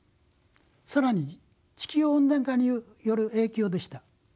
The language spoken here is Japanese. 更に地球温暖化による影響でした。